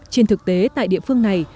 trên thực tế tại địa phương này